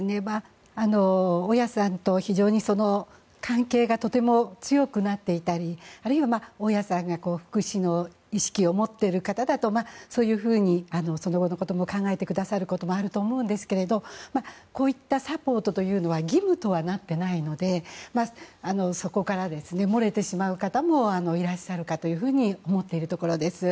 大家さんと非常に関係が強くなっていたりあるいは大家さんが福祉の意識を持っている方だとそういうふうに、その後のことも考えてくださることもあると思うんですけどこういったサポートというのは義務とはなっていないのでそこから漏れてしまう方もいらっしゃるかというふうに思っているところです。